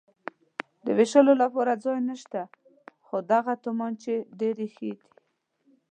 د وېشتلو لپاره ځای نشته، خو دغه تومانچې ډېرې ښې دي.